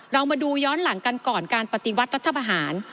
เรามาดูย้อนหลังกันก่อนการปฏิวัติรัฐประหาร